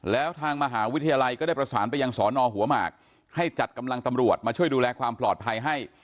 แล้วทางมหาวิทยาลัยก็ได้ประสานไปยังสอนอหัวหมากให้จัดกำลังตำรวจมาช่วยดูแลความปลอดภัยให้